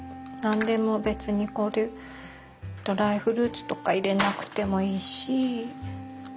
別にこれドライフルーツとか入れなくてもいいし。